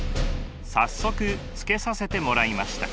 早速つけさせてもらいました。